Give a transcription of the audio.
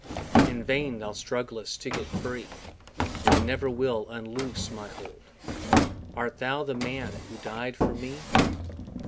In vain Thou strugglest to get free, I never will unloose my hold: Art Thou the Man that died for me?